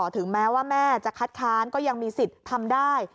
ถึงแม้ว่าแม่จะคัดค้านก็ยังมีสิทธิ์ทำได้